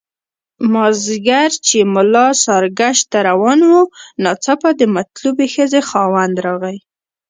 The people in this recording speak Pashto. مازیګر چې ملا ساراګشت ته روان وو ناڅاپه د مطلوبې ښځې خاوند راغی.